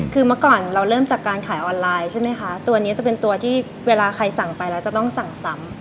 คือเมื่อก่อนเราเริ่มจากการขายออนไลน์ใช่ไหมคะตัวนี้จะเป็นตัวที่เวลาใครสั่งไปแล้วจะต้องสั่งซ้ำ